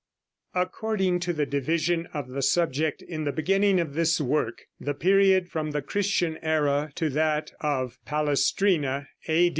According to the division of the subject in the beginning of this work, the period from the Christian era to that of Palestrina, A.